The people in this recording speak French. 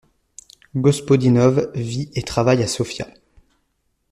Gospodínov vit et travaille à Sofia.